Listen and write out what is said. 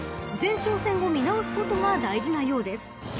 ［前哨戦を見直すことが大事なようです］